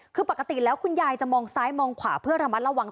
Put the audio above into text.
คือปกติแล้วคุณยายจะมองซ้ายมองขวาเพื่อระมัดระวัง